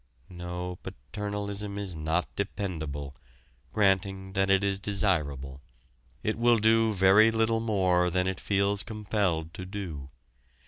No, paternalism is not dependable, granting that it is desirable. It will do very little more than it feels compelled to do.